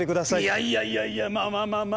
いやいやいやいやまあまあまあまあ。